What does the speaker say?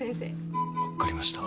分かりました。